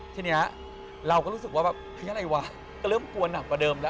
ทีนี้เราก็รู้สึกว่าแบบเฮ้ยอะไรวะก็เริ่มกลัวหนักกว่าเดิมแล้ว